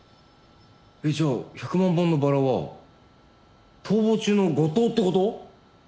じゃあ百万本のバラは逃亡中の五藤って事？